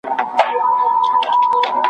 د لرغوني افغانستان تاریخ